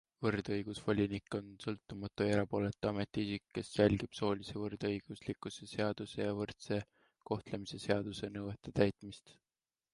Võrdõigusvolinik on sõltumatu ja erapooletu ametiisik, kes jälgib soolise võrdõiguslikkuse seaduse ja võrdse kohtlemise seaduse nõuete täitmist.